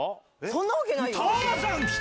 そんなわけないよね？